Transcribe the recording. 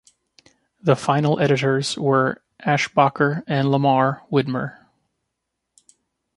The final editors were Ashbacher and Lamarr Widmer.